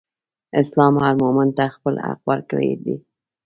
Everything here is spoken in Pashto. اسلام هر مؤمن ته خپل حق ورکړی دئ.